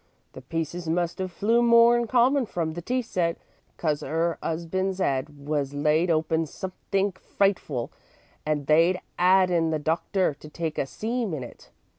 The pieces must 'ave flew more 'n common from the tea set, cause 'er 'usband's 'ed was laid open somethink frightful and they'd 'ad in the doctor to take a seam in it.